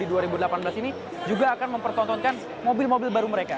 di dua ribu delapan belas ini juga akan mempertontonkan mobil mobil baru mereka